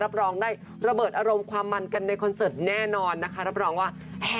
รับรองได้ระเบิดอารมณ์ความมันกันในคอนเสิร์ตแน่นอนนะคะรับรองว่า